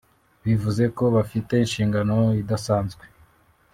bivuze ko bafite inshingano idasanzwe